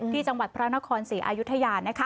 ที่จังหวัดพระนครศรีอายุทยา